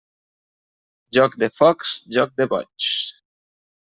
Joc de focs, joc de boigs.